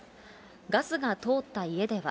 ガスが通った家では。